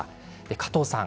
加藤さん